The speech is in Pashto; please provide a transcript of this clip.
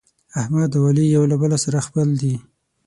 احمد او علي یو له بل سره خپل دي.